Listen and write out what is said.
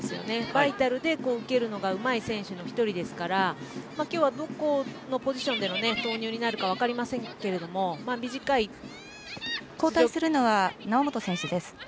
バイタルで受けるのがうまい選手の１人ですから今日はどこのポジションでの投入になるか分かりません交代するのは猶本選手です。